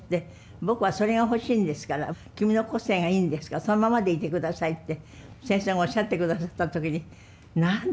「僕はそれが欲しいんですから君の個性がいいんですからそのままでいてください」って先生がおっしゃってくださった時に何だ